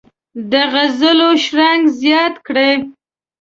د غزلو شرنګ زیات کړي.